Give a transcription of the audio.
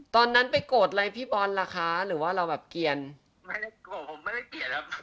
ตอนนั้นไปโกรธอะไรพี่บอสละคะหรือว่าเราแบบเกียรติ